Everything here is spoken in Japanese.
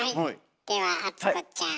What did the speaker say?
では淳子ちゃん。